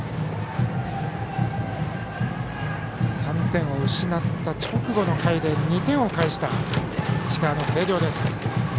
３点を失った直後の回で２点を返した石川の星稜です。